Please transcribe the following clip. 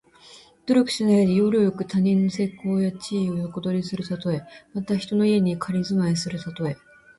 努力しないで、要領よく他人の成功や地位を横取りするたとえ。また、人の家に仮住まいするたとえ。